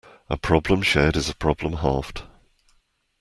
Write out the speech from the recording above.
A problem shared is a problem halved.